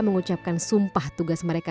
mengucapkan sumpah tugas mereka